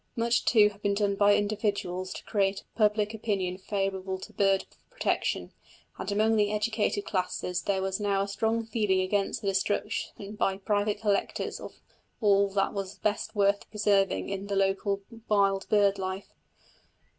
Much, too, had been done by individuals to create a public opinion favourable to bird protection, and among the educated classes there was now a strong feeling against the destruction by private collectors of all that was best worth preserving in the local wild bird life.